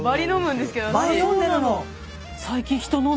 バリ飲んでんの。